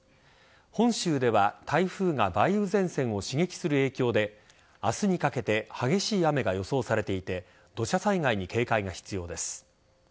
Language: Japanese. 本州では台風が梅雨前線を刺激する影響で明日にかけて激しい雨が予想されていて土砂災害に警戒が必要です。